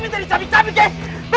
minta dicapik capik kek